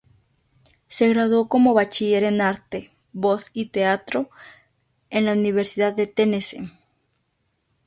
Se graduó como bachiller en arte, voz y teatro en la Universidad de Tennessee.